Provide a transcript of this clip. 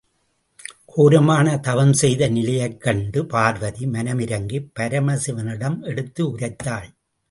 கோரமான தவம் செய்த நிலையைக் கண்டு பார்வதி மனம் இரங்கிப் பரமசிவனிடம் எடுத்து உரைத்தாள்.